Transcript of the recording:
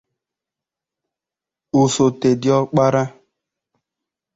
osote diọkpara